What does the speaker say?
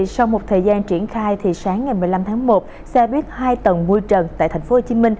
sau một thời gian triển khai sáng ngày một mươi năm tháng một xe buýt hai tầng mui trần tại tp hcm